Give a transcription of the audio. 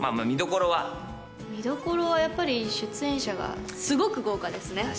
見どころはやっぱり出演者がすごく豪華ですね